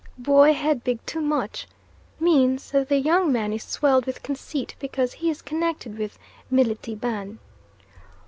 "Bwoy head big too much," means that the young man is swelled with conceit because he is connected with "Militie ban."